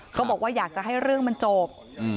ก็บอกว่าอยากจะให้เรื่องมันจบ